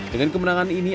dengan kemenangan ini